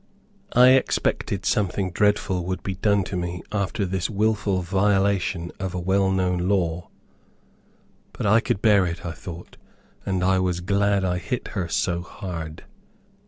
I expected something dreadful would be done to me after this wilful violation of a well known law. But I could bear it, I thought, and I was glad I hit her so hard.